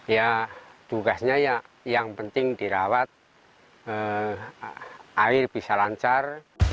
ya tugasnya ya yang penting dirawat air bisa lancar